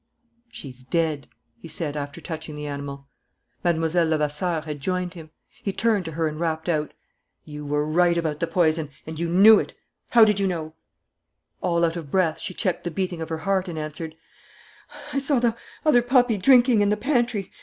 "She's dead," he said, after touching the animal. Mlle. Levasseur had joined him. He turned to her and rapped out: "You were right about the poison and you knew it. How did you know it?" All out of breath, she checked the beating of her heart and answered: "I saw the other puppy drinking in the pantry.